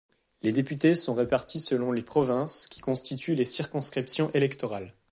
Les députés sont répartis selon les provinces, qui constituent les circonscriptions électorales.